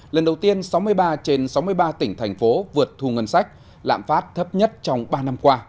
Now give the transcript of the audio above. lần đầu tiên sáu mươi ba trên sáu mươi ba tỉnh thành phố vượt thu ngân sách lạm phát thấp nhất trong ba năm qua